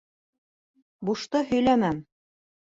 Бушты һөйләмәм...